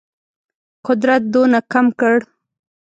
قدرت دونه کم کړ.